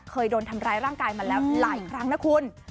เคยโดนทำร้ายร่างกายมาแล้วหลายครั้งนะคุณ